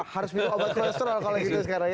harus minum obat kolesterol kalau gitu sekarang ya